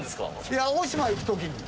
いや大島行く時に。